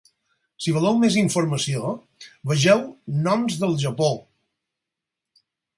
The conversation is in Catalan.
Si voleu més informació, vegeu "noms del Japó".